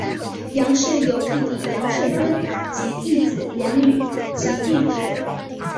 杨氏有弟弟杨圣敦及一子两女及一侄。